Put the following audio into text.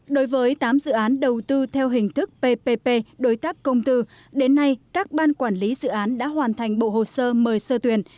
đối với tám dự án đầu tư theo hình thức ppp đối tác công tư đến nay các ban quản lý dự án đã hoàn thành bộ hồ sơ mời sơ tuyển